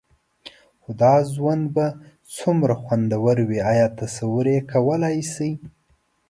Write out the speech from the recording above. خو دا ژوند به څومره خوندور وي؟ ایا تصور یې کولای شئ؟